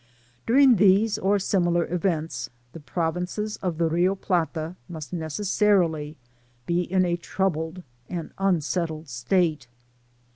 During these or similar events, the j^ovincieii of the Rio Plata must necessarily be in a trouUed and unsettled state.